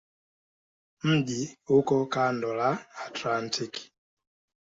Mji uko kando la Atlantiki.